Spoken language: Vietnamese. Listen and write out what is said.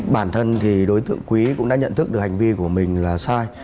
bản thân thì đối tượng quý cũng đã nhận thức được hành vi của mình là sai